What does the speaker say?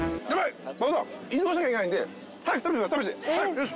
よし。